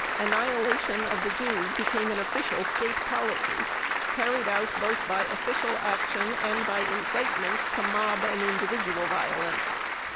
Annihilation of the Jews became an official State policy, carried out both by official action and by incitements to mob and individual violence.